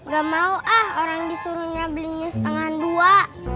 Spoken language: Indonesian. gak mau ah orang disuruhnya belinya setengah dua